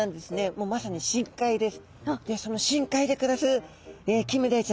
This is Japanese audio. もうまさに深海です。